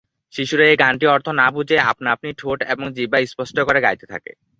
শিশুরা এ গানটি অর্থ না বুঝে আপনা আপনি ঠোঁট এবং জিহ্বায় স্পষ্ট করে গাইতে থাকে।!